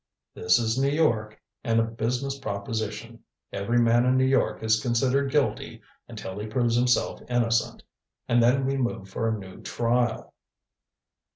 "This is New York, and a business proposition. Every man in New York is considered guilty until he proves himself innocent and then we move for a new trial."